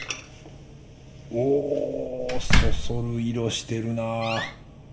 おそそる色してるなぁ。